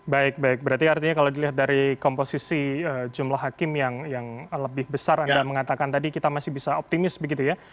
baik baik berarti artinya kalau dilihat dari komposisi jumlah hakim yang lebih besar anda mengatakan tadi kita masih bisa optimis begitu ya